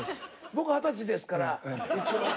僕二十歳ですから一応。